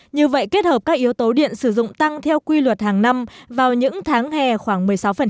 như vậy kết hợp các yếu tố điện sử dụng tăng theo quy luật hàng năm vào những tháng hè khoảng một mươi sáu